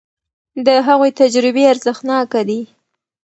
د هغوی تجربې ارزښتناکه دي.